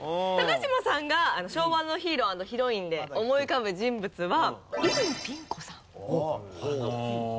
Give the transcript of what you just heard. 嶋さんが昭和のヒーロー＆ヒロインで思い浮かぶ人物は泉ピン子さん。